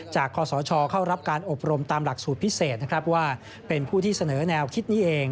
คศเข้ารับการอบรมตามหลักสูตรพิเศษนะครับว่าเป็นผู้ที่เสนอแนวคิดนี้เอง